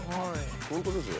本当ですよ。